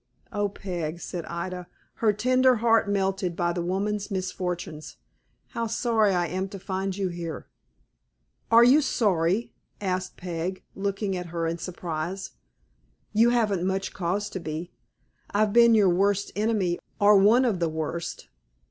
"O Peg," said Ida, her tender heart melted by the woman's misfortunes; "how sorry I am to find you here!" "Are you sorry?" asked Peg, looking at her in surprise. "You haven't much cause to be. I've been your worst enemy, or one of the worst."